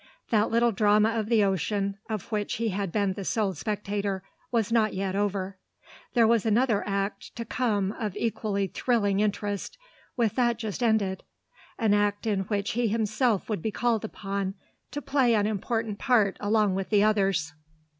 That little drama of the ocean, of which he had been the sole spectator, was not yet over. There was another act to come of equally thrilling interest with that just ended, an act in which he himself would be called upon to play an important part along with the others.